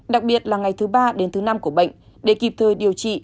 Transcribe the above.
đặc biệt là ngày thứ ba đến thứ năm của bệnh để kịp thời điều trị tránh giết tiến nặng